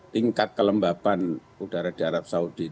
tingkat kelembaban udara di arab saudi